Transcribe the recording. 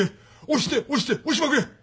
押して押して押しまくれ。